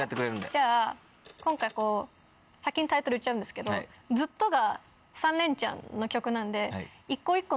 じゃあ今回先にタイトル言っちゃうんですけど「ずっと」が３連チャンの曲なんで。